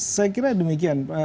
saya kira demikian